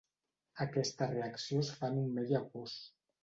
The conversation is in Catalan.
Aquesta reacció es fa en un medi aquós.